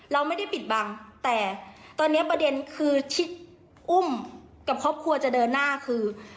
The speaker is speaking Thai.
เราไม่ได้ปิดบังแต่ตอนนี้ประเด็นคือที่อุ้มกับครอบครัวจะเดินหน้าคือ